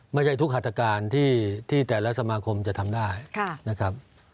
ไม่ใช่ทุกหัตการที่แต่ละสมาคมจะทำได้นะครับ